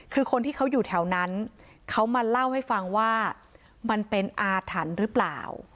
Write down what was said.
คือคนที่เขาอยู่แถวนั้นเขามาเล่าให้ฟังว่ามันเป็นอาถรรพ์หรือเปล่า